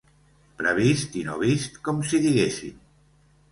Previst i no vist, com si diguéssim.